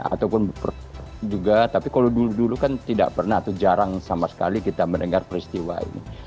ataupun juga tapi kalau dulu dulu kan tidak pernah atau jarang sama sekali kita mendengar peristiwa ini